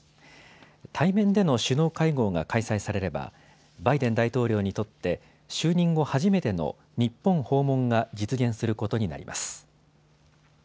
対面での首脳会合が開催されればバイデン大統領にとって就任後初めての日本訪問が実現することになります。